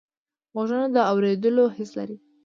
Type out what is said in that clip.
غوږونه د اوریدلو حس لري